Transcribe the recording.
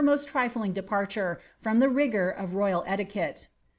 most trifling departure from the rigour of royal etiquette.